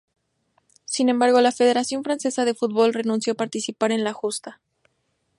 Sin embargo la Federación Francesa de Fútbol renunció a participar en la justa.